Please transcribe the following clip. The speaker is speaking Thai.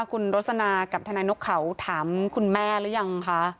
คุณธนายนกเขาถามคุณแม่แล้วยังคะ